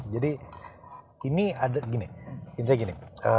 jadi ini ada gini intinya gini